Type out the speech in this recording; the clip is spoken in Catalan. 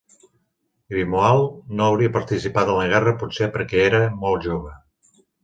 Grimoald no hauria participat en la guerra potser perquè era molt jove.